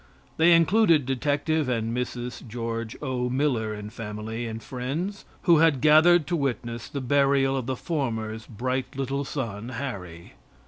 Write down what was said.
They included Detective and Mrs. George O. Miller and family and friends, who had gathered to witness the burial of the former's bright little son Harry.